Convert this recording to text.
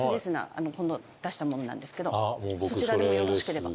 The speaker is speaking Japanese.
出したものなんですけどそちらでもよろしければ。